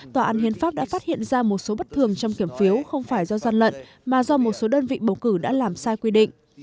tòa án hiến pháp đã phát hiện ra một số bất thường trong kiểm phiếu không phải do gian lận mà do một số đơn vị bầu cử đã làm sai quy định